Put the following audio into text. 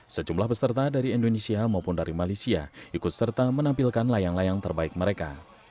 sejumlah peserta dari indonesia maupun dari malaysia ikut serta menampilkan layang layang terbaik mereka